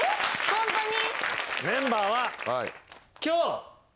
ホントに？